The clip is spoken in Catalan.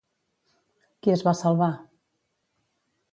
Qui es va salvar?